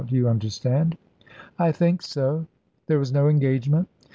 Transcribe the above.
You understand." "I think so. There was no engagement."